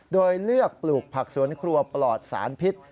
โดยเลือกปลูกผักสวนครัวปลอดสารพิษ